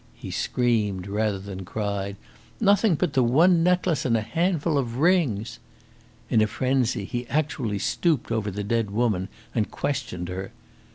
he screamed rather than cried. "Nothing but the one necklace and a handful of rings!" In a frenzy he actually stooped over the dead woman and questioned her.